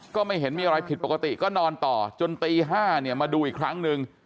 ก็ไม่เห็นมีอะไรผิดปกติก็นอนต่อจนตี๕เนี่ยมาดูอีกครั้งหนึ่ง